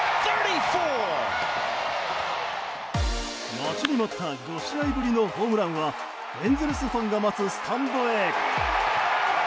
待ちに待った５試合ぶりのホームランはエンゼルスファンが待つスタンドへ。